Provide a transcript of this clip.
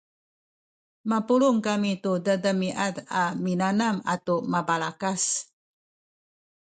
mapulung kami tu demidemiad a minanam atu mabalakas